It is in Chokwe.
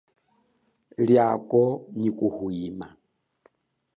Liako nyi kuhwima.